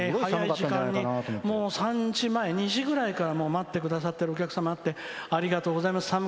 早い時間に、もう３時前２時ぐらいから待ってくださってるお客さんもいてありがとうございます。